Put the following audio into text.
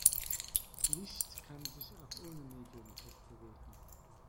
Licht kann sich auch ohne Medium fortbewegen.